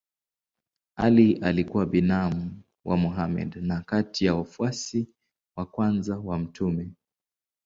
Ali alikuwa binamu wa Mohammed na kati ya wafuasi wa kwanza wa mtume.